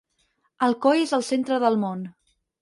Alcoi és el centre del món.